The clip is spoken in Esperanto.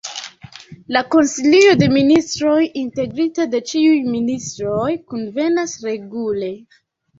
La Konsilio de Ministroj, integrita de ĉiuj ministroj, kunvenas regule.